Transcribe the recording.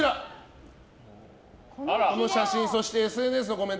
この写真そしてＳＮＳのコメント